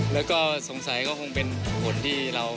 แล้วก็สงสัยก็คงเป็นผลที่เรา